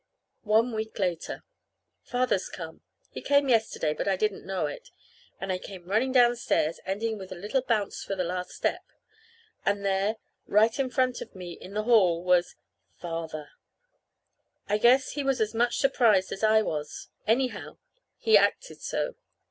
One week later. Father's come. He came yesterday. But I didn't know it, and I came running downstairs, ending with a little bounce for the last step. And there, right in front of me in the hall was Father. I guess he was as much surprised as I was. Anyhow, he acted so.